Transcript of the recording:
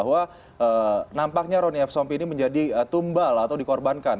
jadi bang mawar sempat menyebut bahwa nampaknya ronny f sompi ini menjadi tumbal atau dikorbankan